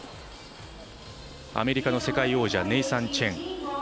アメリカの世界王者ネイサン・チェン。